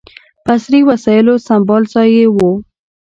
په عصري وسایلو سمبال ځای یې و.